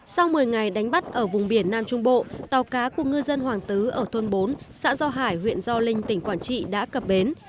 sau một mươi ngày đánh bắt ở vùng biển nam trung bộ tàu cá của ngư dân hoàng tứ ở thôn bốn xã do hải huyện do linh tỉnh quảng trị đã cập bến